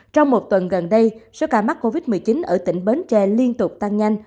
trong một tuần gần đây số ca mắc covid một mươi chín ở tỉnh bến tre liên tục tăng nhanh